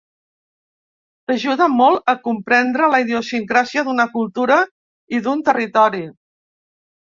T’ajuda molt a comprendre la idiosincràsia d’una cultura i d’un territori.